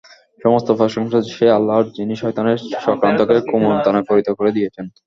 সমস্ত প্রশংসা সে আল্লাহর যিনি শয়তানের চক্রান্তকে কুমন্ত্রণায় পরিণত করে দিয়েছেন।